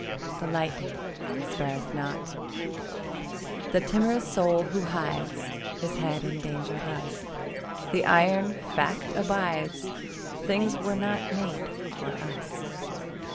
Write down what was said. The lightning spareth not The timorous soul who hides His head in danger thus: The iron fact abides; Things were not made for us.